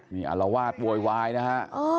นี่อารวาสโวยวายนะฮะ